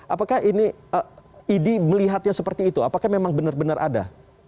apakah ini idi melihatnya seperti itu apakah memang benar benar ada